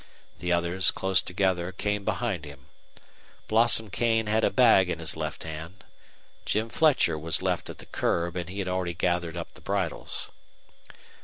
The others, close together, came behind him. Blossom Kane had a bag in his left hand. Jim Fletcher was left at the curb, and he had already gathered up the bridles.